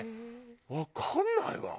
わかんないわ。